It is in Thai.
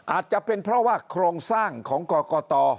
อาจจะเป็นเพราะว่าโครงสร้างของกรกต